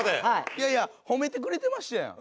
いやいや褒めてくれてましたやん。